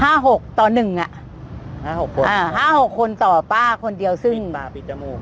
หกต่อหนึ่งอ่ะห้าหกคนอ่าห้าหกคนต่อป้าคนเดียวซึ่งป้าปิดจมูก